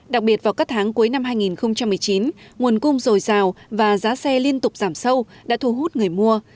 đặc biệt vào các tháng cuối năm hai nghìn một mươi chín nguồn cung dồi dào và giá xe liên tục giảm sâu đã thu hút người mua